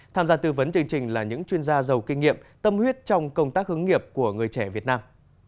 tham gia tư vấn chương trình là những chuyên gia giàu kinh nghiệm tâm huyết trong công tác hướng nghiệp của người trẻ việt nam